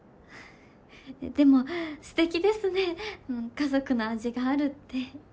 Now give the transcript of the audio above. でもすてきですね家族の味があるって。